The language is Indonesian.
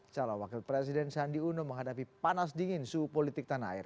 calon wakil presiden sandi uno menghadapi panas dingin suhu politik tanah air